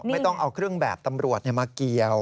ไม่ต้องเอาเครื่องแบบตำรวจมาเกี่ยว